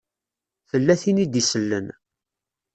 Tella tin i d-isellen.